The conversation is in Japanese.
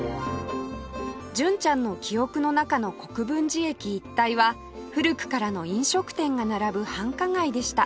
純ちゃんの記憶の中の国分寺駅一帯は古くからの飲食店が並ぶ繁華街でした